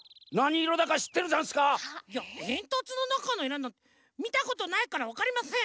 いやえんとつのなかのいろみたことないからわかりません！